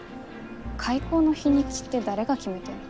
開口の日にちって誰が決めてんの？